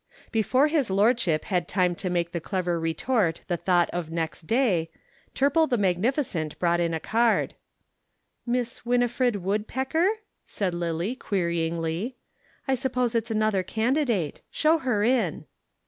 Before his lordship had time to make the clever retort the thought of next day, Turple the magnificent brought in a card. "Miss Winifred Woodpecker?" said Lillie queryingly. "I suppose it's another candidate. Show her in."